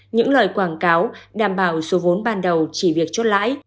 những lời quảng cáo đảm bảo số vốn ban đầu chỉ việc chốt lãi